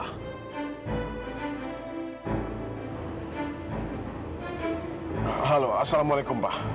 halo assalamualaikum pak